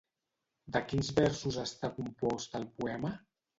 De quins versos està compost el poema?